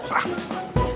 terima kasih pak dubez